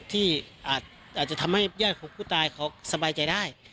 ที่อาจจะทำให้ญาติของผู้ตายเขาสบายใจได้